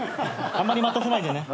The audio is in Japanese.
あんまり待たせないでね。